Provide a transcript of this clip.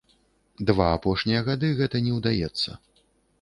Два апошнія гады гэта не ўдаецца.